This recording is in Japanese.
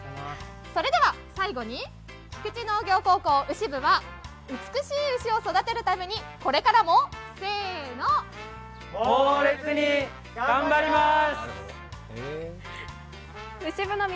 それでは最後に、菊池農業高校牛部は美しい牛を育てるためにこれからも、せーのモゥー烈に頑張ります。